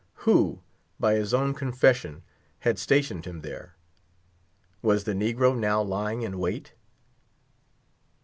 Who, by his own confession, had stationed him there? Was the negro now lying in wait?